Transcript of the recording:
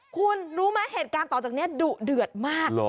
คุณรู้ไหมเหตุการณ์ต่อจากนี้ดุเดือดมาก